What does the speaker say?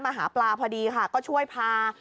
หาปลาพอดีค่ะก็ช่วยพา